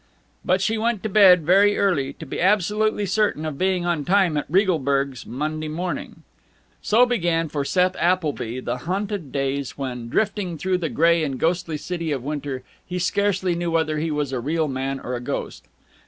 But she went to bed very early, to be absolutely certain of being on time at Regalberg's Monday morning. So began for Seth Appleby the haunted days when, drifting through the gray and ghostly city of winter, he scarce knew whether he was a real man or a ghost.